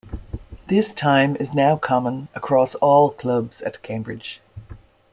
This time is now common across all clubs at Cambridge.